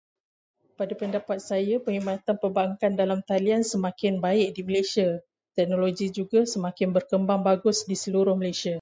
Pada pendapat saya, perkhidmatan perbankan dalam talian semakin baik di Malaysia. Teknologi juga semakin berkembang bagus di seluruh Malaysia.